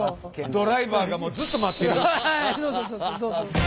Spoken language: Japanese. ドライバーがずっと待ってる。